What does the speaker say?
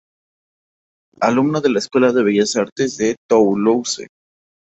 Alumno en la Escuela de Bellas Artes de Toulouse.